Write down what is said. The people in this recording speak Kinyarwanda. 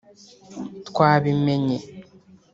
Twabimenye